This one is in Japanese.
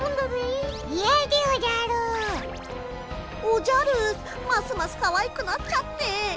おじゃるますますかわいくなっちゃって。